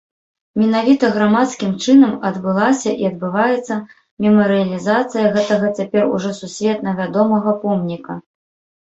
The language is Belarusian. Менавіта грамадскім чынам адбылася і адбываецца мемарыялізацыя гэтага цяпер ужо сусветна вядомага помніка.